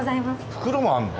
袋もあるの？